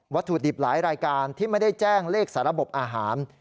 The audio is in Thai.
ถุดิบหลายรายการที่ไม่ได้แจ้งเลขสาระบบอาหาร